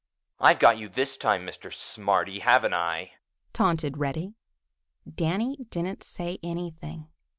"I've got you this time, Mr. Smarty, haven't I?" taunted Reddy. Danny didn't say anything.